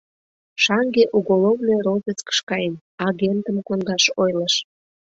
Шаҥге уголовный розыскыш каен, агентым кондаш ойлыш.